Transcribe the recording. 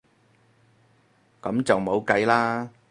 噉就冇計啦